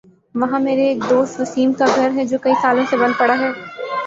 وہاں میرے ایک دوست وسیم کا گھر ہے جو کئی سالوں سے بند پڑا ہے ۔